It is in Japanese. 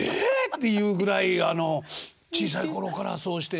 っていうぐらい小さい頃からそうして。